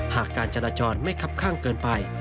การจราจรไม่คับข้างเกินไป